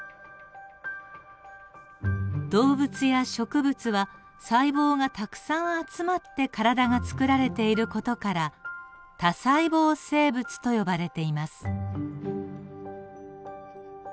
動物や植物は細胞がたくさん集まって体がつくられている事から多細胞生物と呼ばれています。